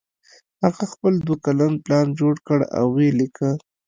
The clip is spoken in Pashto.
هغه خپل دوه کلن پلان جوړ کړ او ویې لیکه